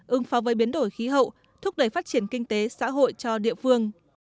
ưng phá vơi biến đổi khí hậu thúc đẩy phát triển kinh tế xã hội cho địa phương